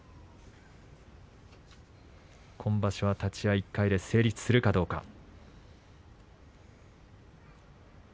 今場所、立ち合いが１回で成立するかどうか。